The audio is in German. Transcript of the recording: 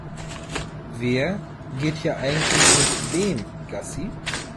Wer geht hier eigentlich mit wem Gassi?